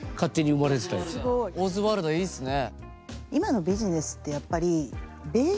オズワルダーいいっすね。